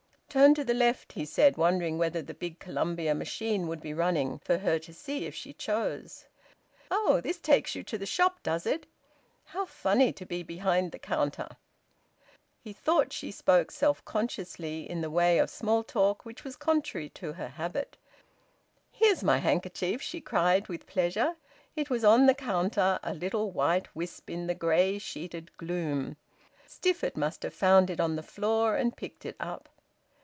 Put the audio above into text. "Turn to the left," he said, wondering whether the big Columbia machine would be running, for her to see if she chose. "Oh! This takes you to the shop, does it? How funny to be behind the counter!" He thought she spoke self consciously, in the way of small talk: which was contrary to her habit. "Here's my handkerchief!" she cried, with pleasure. It was on the counter, a little white wisp in the grey sheeted gloom. Stifford must have found it on the floor and picked it up.